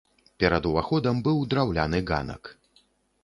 Перад уваходам быў драўляны ганак.